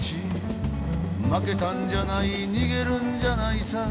「負けたんじゃない逃げるんじゃないさ」